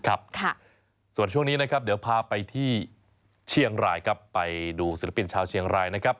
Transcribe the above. ครับค่ะส่วนช่วงนี้นะครับเดี๋ยวพาไปที่เชียงรายครับไปดูศิลปินชาวเชียงรายนะครับ